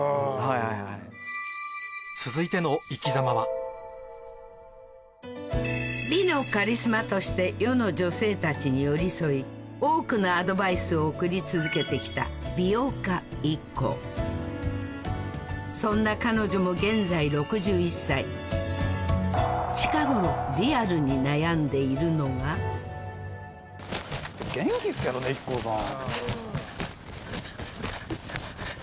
続いてのいきざまは美のカリスマとして世の女性たちに寄り添い多くのアドバイスを送り続けてきた美容家そんな彼女も現在６１歳近頃リアルに悩んでいるのが元気っすけどねＩＫＫＯさん。